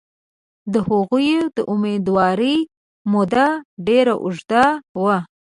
د هغوی امیندوارۍ موده ډېره اوږده وه.